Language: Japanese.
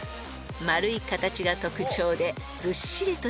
［丸い形が特徴でずっしりとした肉質］